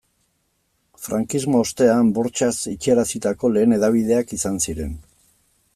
Frankismo ostean bortxaz itxiarazitako lehen hedabideak izan ziren.